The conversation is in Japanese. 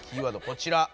こちら。